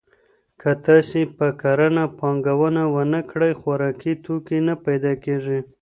که تاسي په کرنه پانګونه ونه کړئ، خوراکي توکي نه پيدا کېږي.